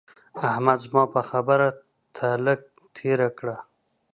احمد زما پر خبره تله تېره کړه.